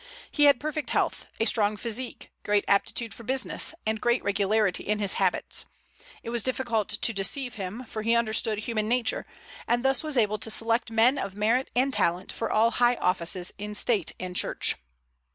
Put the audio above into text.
He had perfect health, a strong physique, great aptitude for business, and great regularity in his habits. It was difficult to deceive him, for he understood human nature, and thus was able to select men of merit and talent for all high offices in State and Church.